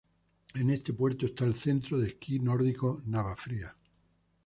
En este puerto está el Centro de esquí nórdico Navafría.